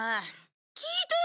聞いてよ！